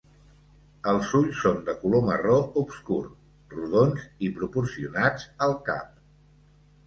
Els ulls són de color marró obscur, rodons i proporcionats al cap.